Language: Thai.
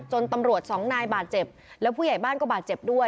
ตำรวจสองนายบาดเจ็บแล้วผู้ใหญ่บ้านก็บาดเจ็บด้วย